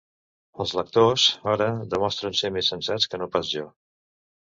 Els lectors, ara, demostren ser més sensats que no pas jo.